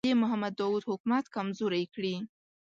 د محمد داوود حکومت کمزوری کړي.